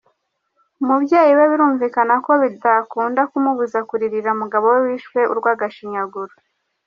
Umubyeyi we birumvikana ko bitakunda kumubuza kuririra umugabo we wishwe urwagashinyaguro.